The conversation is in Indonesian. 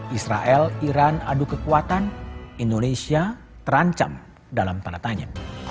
israel iran adu kekuatan indonesia terancam dalam tanda tanya